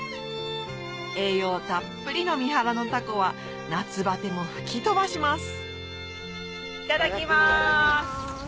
栄養たっぷりの三原のタコは夏バテも吹き飛ばしますいただきます！